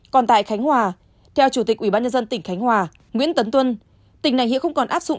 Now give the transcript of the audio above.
còn tại khánh hòa theo chủ tịch ubnd tỉnh khánh hòa nguyễn tấn tuân tỉnh này hiện không còn áp dụng